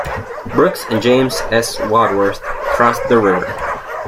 Brooks and James S. Wadsworth crossed the river.